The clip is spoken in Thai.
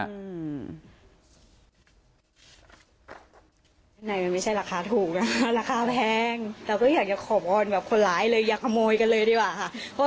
ในไม่ใช่ราคาถูกนะราคาแพงเราก็อยากจะขออนแบบคนร้ายเลยอยากขโมยกันเลยดีป่าวฮะ